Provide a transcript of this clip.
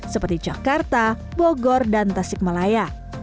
seperti jakarta bogor dan tasik malaya